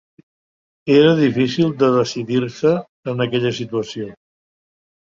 Era difícil de decidir-se en aquella situació.